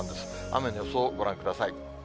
雨の予想ご覧ください。